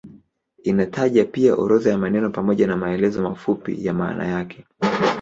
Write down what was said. Inataja pia orodha ya maneno pamoja na maelezo mafupi ya maana yake.